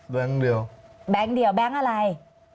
เดียวแบงค์เดียวแบงค์อะไร